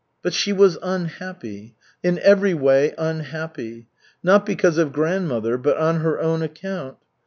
But she was unhappy, in every way unhappy. Not because of grandmother, but on her own account.